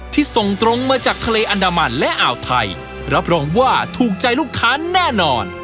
ส่งตรงมาจากทะเลอันดามันและอ่าวไทยรับรองว่าถูกใจลูกค้าแน่นอน